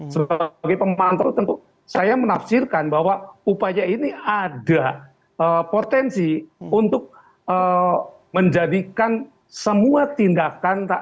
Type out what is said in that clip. sebagai pemantau tentu saya menafsirkan bahwa upaya ini ada potensi untuk menjadikan semua tindakan